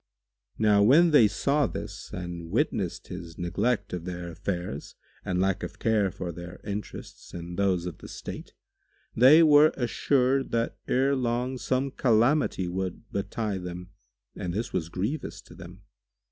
Now when they saw this and witnessed his neglect of their affairs and lack of care for their interests and those of the state, they were assured that ere long some calamity would betide them and this was grievous to them.